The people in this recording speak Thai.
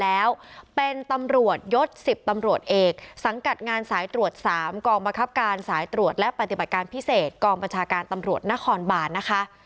แล้วเป็นตำรวจยศ๑๐ตำรวจเอกสังกัดงานสายตรวจ๓กองบังคับการสายตรวจและปฏิบัติการพิเศษกองประชาการตำรวจนครบานนะคะ